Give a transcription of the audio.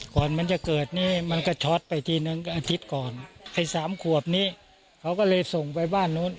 ก่อนมันจะเกิดนี้มันก็ช็อตไปทีนึงอาทิตย์ก่อนไอ้สามขวบนี้เขาก็เลยส่งไปบ้านนู้น